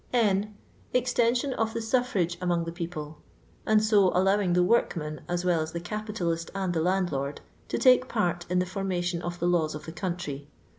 N. Extension qf the sufrage among tJie people; and so allowing the workman, as well as the capitalist and the landlord, to take part in the formation of the laws of the country.